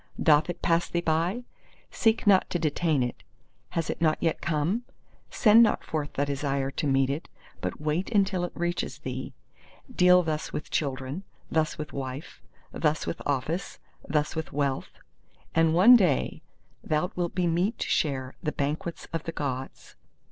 Doth it pass thee by? Seek not to detain it. Has it not yet come? Send not forth thy desire to meet it, but wait until it reaches thee. Deal thus with children, thus with wife; thus with office, thus with wealth—and one day thou wilt be meet to share the Banquets of the Gods.